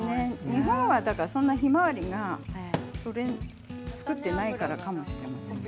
日本は、ひまわりをそんなに作っていないからかもしれません。